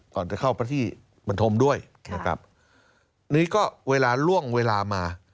ก่อนจะเข้าไปที่บรรธมด้วยนะครับนี่ก็เวลาล่วงเวลามา